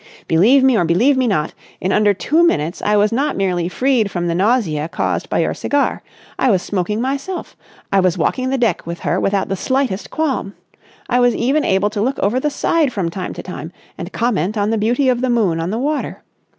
"Believe me or believe me not, in under two minutes I was not merely freed from the nausea caused by your cigar. I was smoking myself! I was walking the deck with her without the slightest qualm. I was even able to look over the side from time to time and comment on the beauty of the moon on the water....